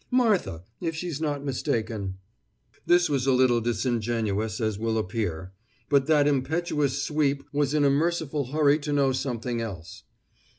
"Martha if she's not mistaken." This was a little disingenuous, as will appear; but that impetuous Sweep was in a merciful hurry to know something else.